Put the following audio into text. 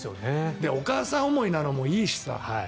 お母さん思いなのもいいしさ。